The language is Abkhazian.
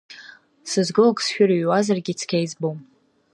Сызго ак сшәырыҩуазаргьы цқьа избом.